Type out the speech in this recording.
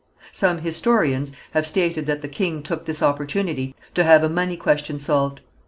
Some historians have stated that the king took this opportunity to have a money question solved.